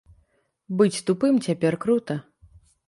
Быць тупым цяпер крута!